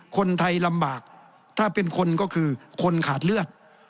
คนไทยลำบากถ้าเป็นคนก็คือคนขาดเลือด